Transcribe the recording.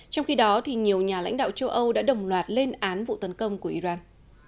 trong khi đó nhiều nhà lãnh đạo châu âu đã đồng loạt lên án vụ tấn công của iran